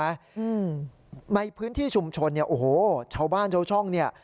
อืมในพื้นที่ชุมชนเนี้ยโอ้โหชาวบ้านชาวช่องเนี้ย